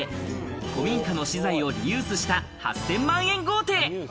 古民家の資材をリユースした８０００万円豪邸。